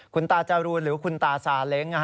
คุณตาจรูนหรือคุณตาซาเล้ง